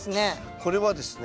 これはですね